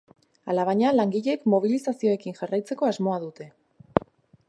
Alabaina, langileek mobilizazioekin jarraitzeko asmoa dute.